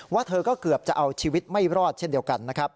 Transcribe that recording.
ว่าเธอก็เกือบจะเอาชีวิตไม่รอดเช่นเดียวกัน